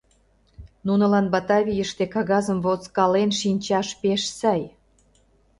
“Нунылан Батавийыште кагазым возкален шинчаш пеш сай!